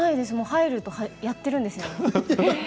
入ると始まっているんですよ。